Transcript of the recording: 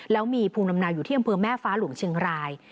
แล้วมีภูมิลำเนาอยู่ที่อำเภอแม่ฟ้าหลวงเชียงราย